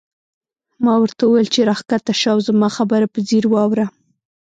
ما ورته وویل چې راکښته شه او زما خبره په ځیر واوره.